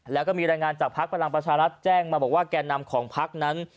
แล้วก็มีรายงานจากพักพลังประชารัฐแจ้งมาบอกว่าแก่นำของพักนั้น